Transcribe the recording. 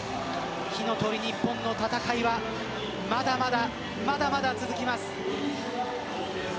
火の鳥ＮＩＰＰＯＮの戦いはまだまだ、まだまだ続きます。